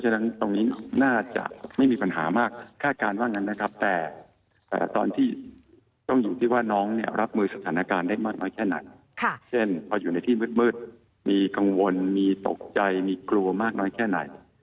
เช่นเพราะอยู่ในที่มืดมีกังวลมีตกใจมีกลัวมากน้อยแค่ไหน